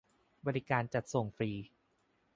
บริการจัดส่งฟรี